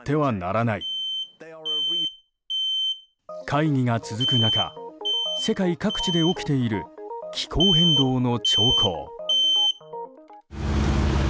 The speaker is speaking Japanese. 会議が続く中、世界各地で起きている、気候変動の兆候。